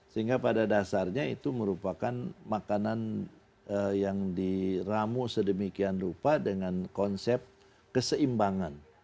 sehingga pada dasarnya itu merupakan makanan yang diramu sedemikian rupa dengan konsep keseimbangan